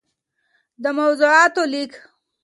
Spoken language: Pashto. دموضوعاتو ليــک